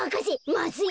まずい。